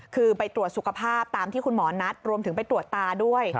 คือไปตรวจสุขภาพตามที่คุณหมอนัดรวมถึงไปตรวจตาด้วย